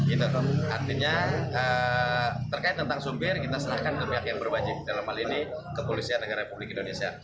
itu artinya terkait tentang supir kita serahkan ke pihak yang berwajib dalam hal ini kepolisian negara republik indonesia